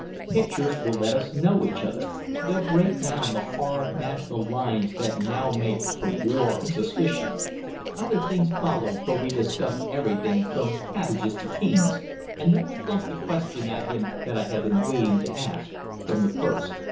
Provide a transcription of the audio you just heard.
Pictures will let us know each other. They'll break down the hard national lines that now make for war and suspicion." Other things followed, for we discussed everything from cabbages to kings, and then I plumped the question at him that I had been waiting to ask from the first.